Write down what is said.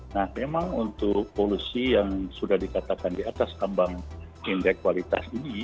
nah memang untuk polusi yang sudah dikatakan di atas ambang indeks kualitas ini